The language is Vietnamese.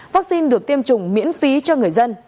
vaccine được tiêm chủng miễn phí cho người dân